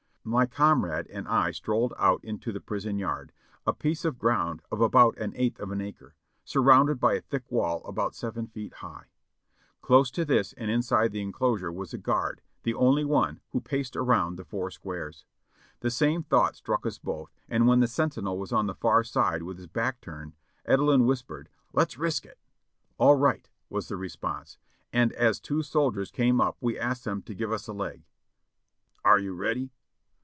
My comrade and I strolled out into the prison yard, a piece of o'round of about an eighth of an acre, surrounded by a thick wall about seven feet high. Close to this and inside the enclosure was a guard, the only one, who paced around the four squares. The same thought struck us both, and when the sentinel was on the far side with his back turned, Edelin w^hispered, "Let's risk it." "All right," was the response, and as two soldiers came up we asked them to give us a leg. "Are you ready?"